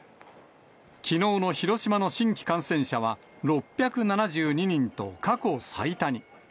きのうの広島の新規感染者は６７２人と過去最多に。